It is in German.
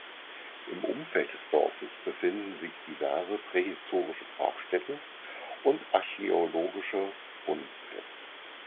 Im Umfeld des Dorfes befinden sich diverse prähistorische Grabstätten und archäologische Fundplätze.